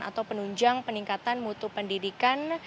atau penunjang peningkatan mutu pendidikan